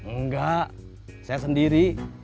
enggak saya sendiri